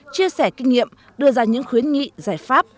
chia sẻ kinh nghiệm đưa ra những khuyến nghị giải pháp